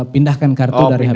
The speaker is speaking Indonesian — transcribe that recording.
pindahkan kartu dari hp